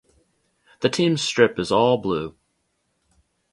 The team's strip is all blue.